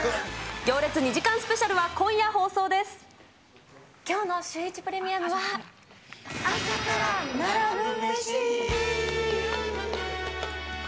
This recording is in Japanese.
行列２時間スペシャルは今夜きょうのシューイチプレミアムは、朝から並ぶメシ。